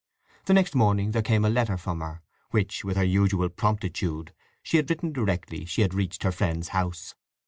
The next morning there came a letter from her, which, with her usual promptitude, she had written directly she had reached her friend's house.